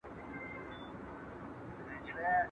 سوچه پښتو د پښتنو د یووالي ضامن ده